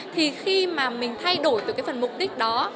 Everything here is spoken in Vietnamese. thì khi mà mình thay đổi từ cái phần mục đích đó